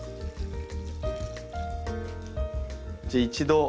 じゃあ一度。